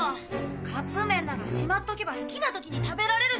カップ麺ならしまっておけば好きな時に食べられるし。